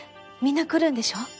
みんな来るんでしょ？